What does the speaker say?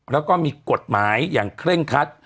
แล้วก็มีกฎหมายอย่างเคร่งคัด